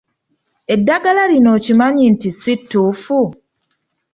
Eddagala lino okimanyi nti si ttuufu?